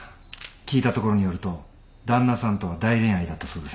聞いたところによると旦那さんとは大恋愛だったそうですね。